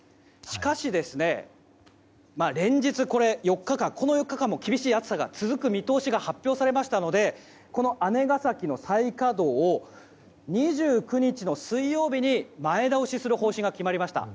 しかし、連日、この４日間も厳しい暑さが続く見通しが発表されましたのでこの姉崎の再稼働を２９日の水曜日に前倒しする方針が決まりました。